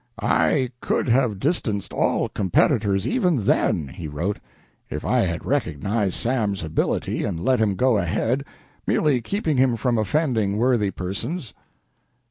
"I could have distanced all competitors, even then," he wrote, "if I had recognized Sam's ability and let him go ahead, merely keeping him from offending worthy persons."